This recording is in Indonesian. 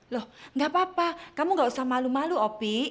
loh ga papa kamu ga usah malu malu opi